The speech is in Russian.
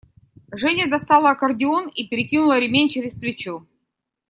Женя достала аккордеон и перекинула ремень через плечо.